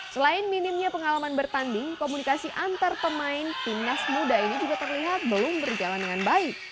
selain minimnya pengalaman bertanding komunikasi antar pemain timnas muda ini juga terlihat belum berjalan dengan baik